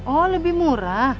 oh lebih murah